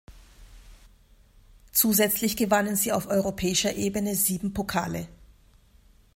Zusätzlich gewannen sie auf europäischer Ebene sieben Pokale.